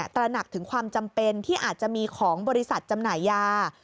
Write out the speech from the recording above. ตระหนักถึงความจำเป็นที่อาจจะมีของบริษัทจำหน่ายยา